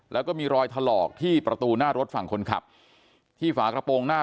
แล้วก็มีรอยถลอกที่ประตูหน้ารถฝั่งคนขับที่ฝากระโปรงหน้า